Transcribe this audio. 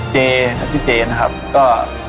เจทัศน์เจนะครับก็